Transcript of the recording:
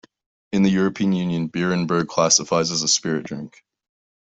In the European Union, Beerenburg classifies as a spirit drink.